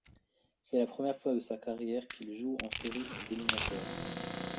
C'est la première fois de sa carrière qu'il joue en séries éliminatoires.